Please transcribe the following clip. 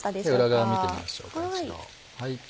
裏側見てみましょうか一度。